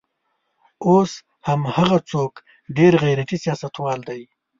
اوس هم هغه څوک ډېر غیرتي سیاستوال دی.